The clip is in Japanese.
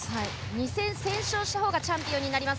２戦先勝したほうがチャンピオンです。